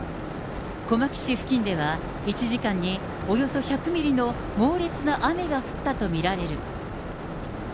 小牧市付近では、１時間におよそ１００ミリの猛烈な雨が降ったと見られる。